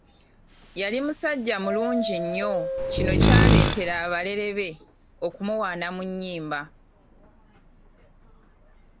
Yali musajja mulungi nnyo, kino kyaleetera abalere be okumuwaana mu nnyimba.